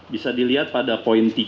bisa dilihat pada poin tiga